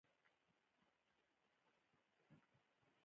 لمریز ځواک د افغانستان د اقتصاد برخه ده.